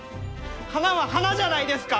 花は花じゃないですか！